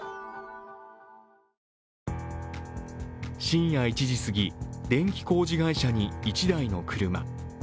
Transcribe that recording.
深夜１時過ぎ、電気工事会社に１台の車。